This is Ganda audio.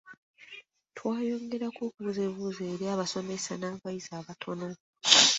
Twayongerako okubuuza ebiibuuzo eri abasomesa n’abayizi abatono.